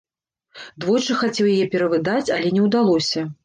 Двойчы хацеў яе перавыдаць, але не ўдалося.